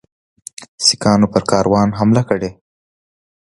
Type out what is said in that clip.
سیکهانو پر کاروان حمله کړې.